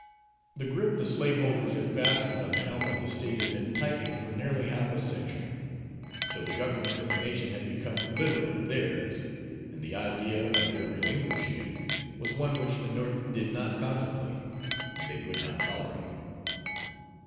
The grip the slaveholders had fastened on the helm of the State had been tightening for nearly half a century, till the government of the nation had become literally theirs, and the idea of their relinquishing it was one which the North did not contemplate, and they would not tolerate.